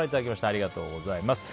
ありがとうございます。